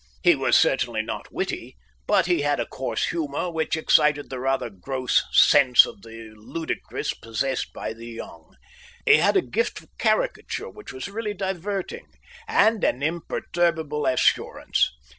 He was certainly not witty, but he had a coarse humour which excited the rather gross sense of the ludicrous possessed by the young. He had a gift for caricature which was really diverting, and an imperturbable assurance.